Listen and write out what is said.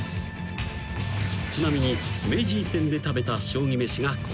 ［ちなみに名人戦で食べた将棋めしがこちら］